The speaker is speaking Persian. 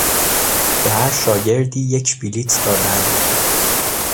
به هر شاگردی یک بلیط دادند.